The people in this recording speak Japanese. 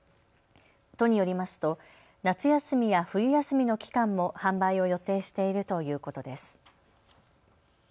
都によりますと夏休みや冬休みの期間も販売を予定しているということです。